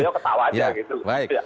beliau ketawa aja gitu